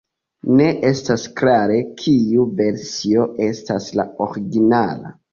Ne estas klare kiu versio estas la originala.